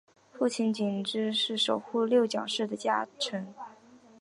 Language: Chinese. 父亲景之是守护六角氏的家臣。